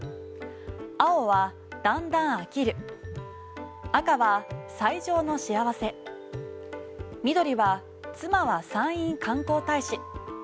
青は、だんだん飽きる赤は、最上の幸せ緑は、妻は山陰観光大使。